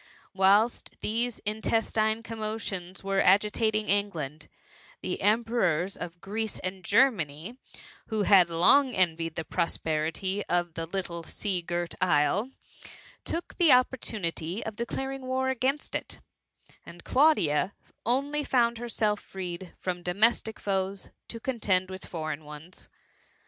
Whilst these intestine commotions were agi tating England, the Emperors of Greece and Grermany, who had long envied the prosperity of " the little sea girt isle,'' took the opportu nity €i declaring war against it ; and Claudia only found herself freed from domestic foes, so THE MUMMY. to contend with foreign ones.